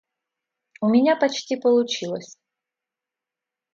У меня почти получилось.